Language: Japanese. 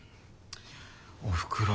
おふくろ。